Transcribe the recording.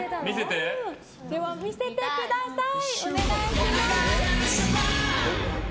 では見せてください。